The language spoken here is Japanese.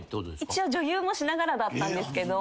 一応女優もしながらだったんですけど。